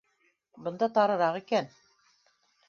— Бында тарыраҡ икән